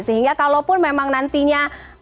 sehingga kalau pun memang nantinya